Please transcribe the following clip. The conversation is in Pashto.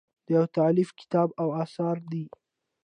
دا یو تالیفي کتاب او اثر دی.